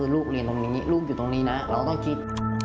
ลูกเรียนตรงนี้ลูกอยู่ตรงนี้นะเราต้องคิด